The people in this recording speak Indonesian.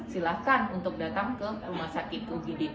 silahkan untuk datang ke rumah sakit ugd